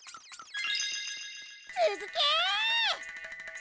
つづけ！